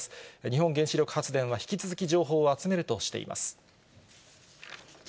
日本原子力発電は、引き続き情報を集めるとしています。